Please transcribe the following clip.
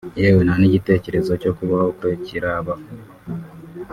yewe nta n’igitekerezo cyo kubaho kwe kirabaho